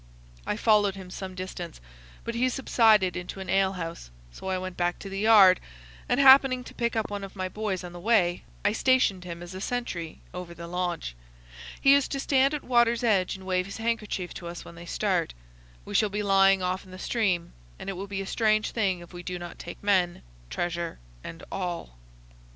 I followed him some distance, but he subsided into an ale house: so I went back to the yard, and, happening to pick up one of my boys on the way, I stationed him as a sentry over the launch. He is to stand at water's edge and wave his handkerchief to us when they start. We shall be lying off in the stream, and it will be a strange thing if we do not take men, treasure, and all."